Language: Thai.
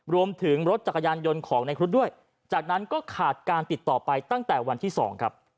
รวมถึงรถจักรยานยนต์ของในครุฑด้วยจากนั้นก็ขาดการติดต่อไปตั้งแต่วันที่๒ครับ